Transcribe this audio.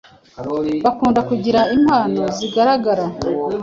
Bakunda kugira impano zigaragara